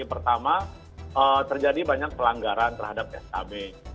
pertama terjadi banyak pelanggaran terhadap skb